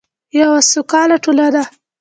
یوه سوکاله ټولنه.